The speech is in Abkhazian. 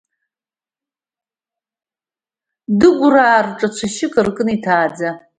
Дыгәраа рҿы цәашьқәак аркын иҭааӡа…